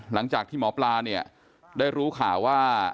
หลังจากที่หมอปลาเนี่ยได้รู้ข่าวว่า